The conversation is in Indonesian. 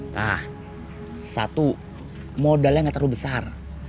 nah satu modalnya nggak terlalu besar